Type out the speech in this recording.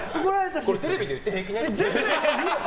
これテレビで言って平気なやつ？